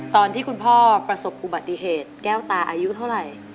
ตอนที่คุณพ่อประสบอุบัติเหตุแก้วตาอายุเท่าไหร่